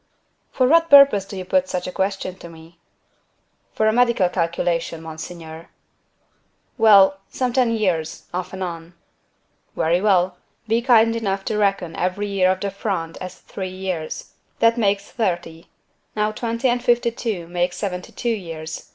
"For what purpose do you put such a question to me?" "For a medical calculation, monseigneur." "Well, some ten years—off and on." "Very well; be kind enough to reckon every year of the Fronde as three years—that makes thirty; now twenty and fifty two makes seventy two years.